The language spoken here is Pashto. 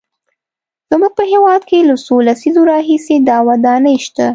زموږ په هېواد کې له څو لسیزو راهیسې دا ودانۍ شته.